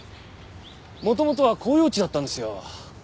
元々は公用地だったんですよ。